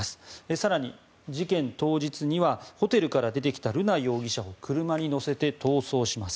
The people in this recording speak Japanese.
更に、事件当日にはホテルから出てきた瑠奈容疑者を車に乗せて逃走します。